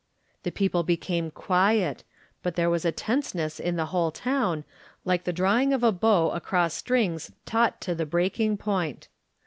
The people became quiet, but there was a tenseness to the whole town, like the draw ing of a bow across strings taut to the break ing point.